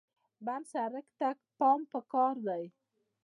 بند سړک ته پام پکار دی.